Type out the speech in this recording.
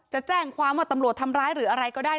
จะแจ้งความว่าตำรวจทำร้ายหรืออะไรก็ได้